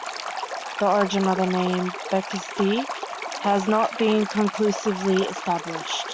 The origin of the name "beskydy" has not been conclusively established.